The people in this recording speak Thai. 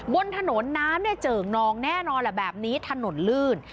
บนถนน้ำเจิ่นนองแน่นอนแบบนี้ถนนลื่น